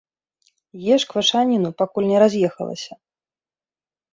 Еш квашаніну, пакуль не раз'ехалася.